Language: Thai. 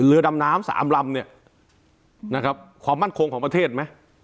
เรือดำน้ำสามลำเนี่ยนะครับความมั่นคงของประเทศไหม